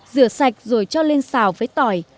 rửa sạch rồi cho lên xào với tỏi